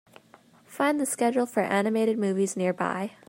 Find the schedule for animated movies nearby